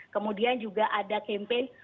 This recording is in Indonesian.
kemudian juga ada kampanye